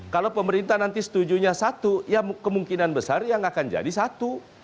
kalau pemerintah nanti setujunya satu ya kemungkinan besar yang akan jadi satu